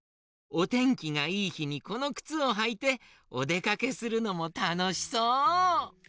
おてんきがいいひにこのくつをはいておでかけするのもたのしそう。